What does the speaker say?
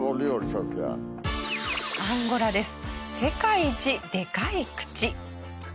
アンゴラです。